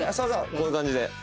こういう感じで。